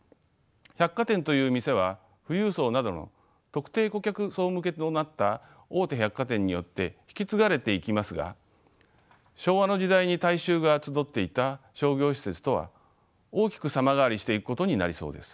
百貨店という店は富裕層などの特定顧客層向けとなった大手百貨店によって引き継がれていきますが昭和の時代に大衆が集っていた商業施設とは大きく様変わりしていくことになりそうです。